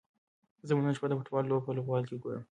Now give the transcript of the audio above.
زه به نن شپه د فوټبال لوبه په لوبغالي کې وګورم.